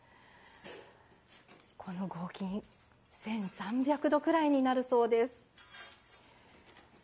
この合金１，３００度くらいになるそうです。